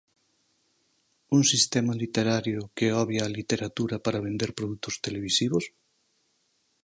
Un sistema literario que obvia a literatura para vender produtos televisivos?